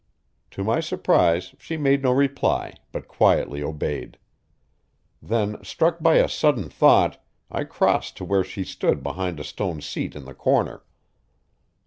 To my surprise, she made no reply, but quietly obeyed. Then, struck by a sudden thought, I crossed to where she stood behind a stone seat in the corner.